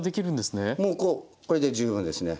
もうこれで十分ですね。